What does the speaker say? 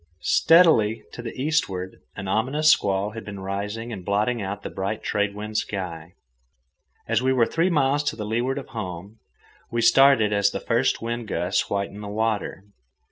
Steadily, to the eastward, an ominous squall had been rising and blotting out the bright trade wind sky. And we were three miles to leeward of home. We started as the first wind gusts whitened the water.